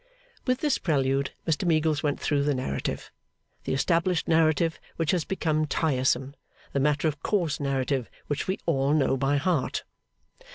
With this prelude, Mr Meagles went through the narrative; the established narrative, which has become tiresome; the matter of course narrative which we all know by heart.